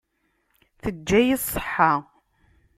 Teǧǧa-yi ṣṣeḥḥa.